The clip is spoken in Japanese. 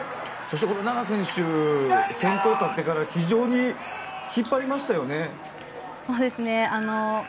そして菜那選手先頭に立ってから非常に引っ張りましたよね。